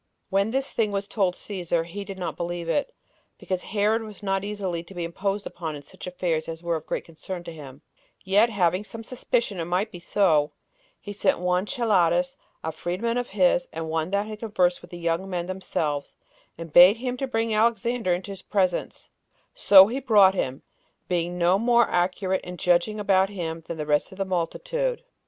2. When this thing was told Cæsar, he did not believe it, because Herod was not easily to be imposed upon in such affairs as were of great concern to him; yet, having some suspicion it might be so, he sent one Celadus, a freed man of his, and one that had conversed with the young men themselves, and bade him bring Alexander into his presence; so he brought him, being no more accurate in judging about him than the rest of the multitude.